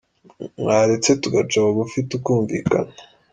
mwaretse tugaca bugufi , tukumvikana ?